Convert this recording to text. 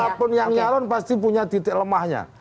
siapapun yang nyalon pasti punya titik lemahnya